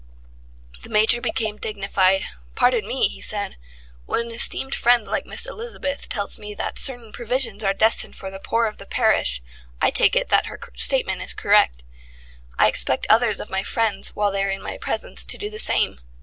The Major became dignified. "Pardon me," he said. "When an esteemed friend like Miss Elizabeth tells me that certain provisions are destined for the poor of the parish, I take it that her statement is correct. I expect others of my friends, while they are in my presence, to do the same.